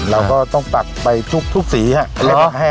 เราก็ต้องตักไปทุกทุกสี